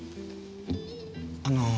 あの。